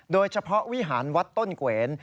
โดยเฉพาะวิหารวัดต้นเกวน